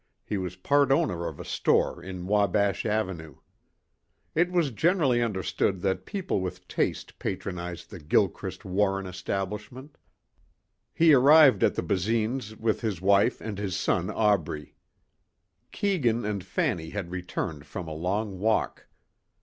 He was part owner of a store in Wabash Avenue. It was generally understood that people with taste patronized the Gilchrist Warren establishment. He arrived at the Basines' with his wife and his son Aubrey. Keegan and Fanny had returned from a long walk.